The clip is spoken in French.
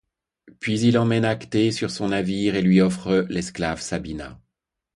Puis il emmène Acté sur son navire et lui offre l'esclave Sabina.